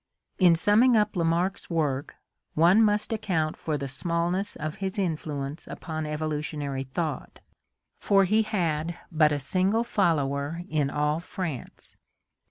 In summing up Lamarck's work, one must account for the small ness of his influence upon evolutionary thought, for he had but a 12 ORGANIC EVOLUTION single follower in all France.